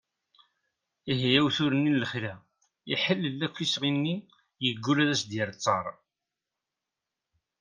ihi awtul-nni n lexla iḥellel akk isɣi-nni yeggul ad as-d-yerr ttar